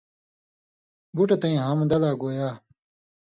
بُٹہ تئیں حمدہ لہ گویا